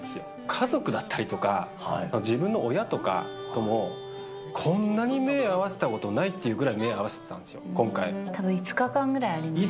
家族だったりとか、自分の親とかとも、こんなに目、合わせたことないっていうぐらいたぶん、５日間ぐらいありますね。